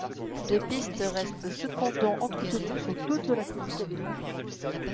Des pistes restent cependant entretenues sur toute la commune.